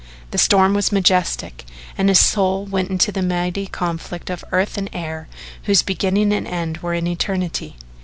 The storm was majestic and his soul went into the mighty conflict of earth and air, whose beginning and end were in eternity.